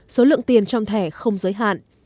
số lượng tiền trong thẻ không giới hạn